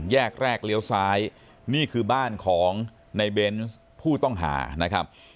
แยกแรกเลี้ยวซ้ายนี่คือบ้านของในเบนส์ผู้ต้องหานะครับ